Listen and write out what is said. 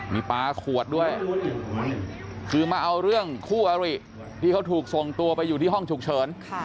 มีปลาขวดด้วยคือมาเอาเรื่องคู่อริที่เขาถูกส่งตัวไปอยู่ที่ห้องฉุกเฉิน